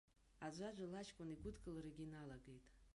Аӡәаӡәала аҷкәын игәыдкыларагьы иналагеит.